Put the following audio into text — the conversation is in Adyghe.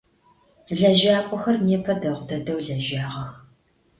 Lejak'oxer nêpe değu dedeu lejağex.